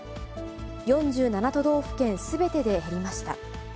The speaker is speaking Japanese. ４７都道府県すべてで減りました。